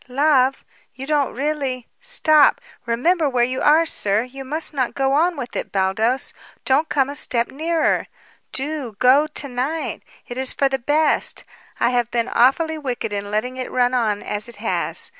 "Love? You don't really Stop! Remember where you are, sir! You must not go on with it, Baldos. Don't come a step nearer. Do go to night! It is for the best. I have been awfully wicked in letting it run on as it has.